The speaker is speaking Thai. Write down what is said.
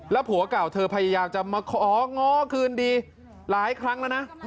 ผัวเก่าเธอพยายามจะมาของ้อคืนดีหลายครั้งแล้วนะ